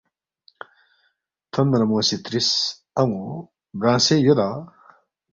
تھونما نہ مو سی ترِس، ان٘و برانگسے یودا؟